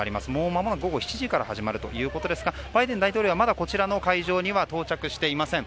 まもなく午後７時から始まるということですがバイデン大統領はまだこちらの会場には到着していません。